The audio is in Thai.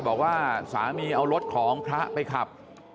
บอกว่าสามีเอารถของพระไปขับ